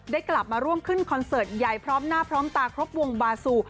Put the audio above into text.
กลับมาร่วมขึ้นคอนเสิร์ตใหญ่พร้อมหน้าพร้อมตาครบวงบาซู